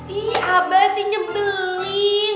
ih abah sih nyebelin